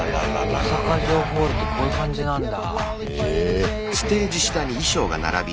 大阪城ホールってこういう感じなんだ。